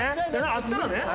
あったらね。